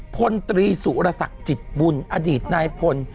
พลตรีสุรศักดิ์จิตบุญอดีตนายพล